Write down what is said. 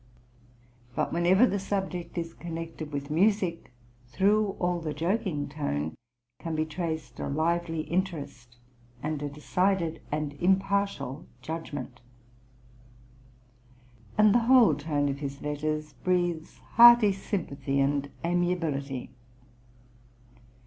But whenever the subject is connected with music, through all the joking tone can be traced a lively interest and a {INSPRUCK ROVEREDO, 1770.} (107) decided and impartial judgment; and the whole tone of his letters breathes hearty sympathy and amiability.